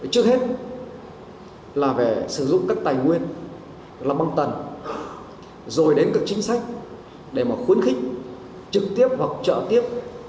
trước hết là về sử dụng các tài nguyên làm băng tần rồi đến các chính sách để mà khuyến khích trực tiếp hoặc trợ tiếp